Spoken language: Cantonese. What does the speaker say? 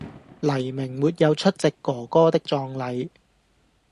黎明沒有出席“哥哥”的葬禮